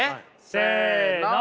せの。